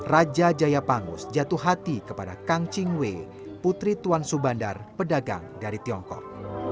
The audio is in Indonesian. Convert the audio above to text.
raja jaya pangus jatuh hati kepada kang ching wei putri tuan subandar pedagang dari tiongkok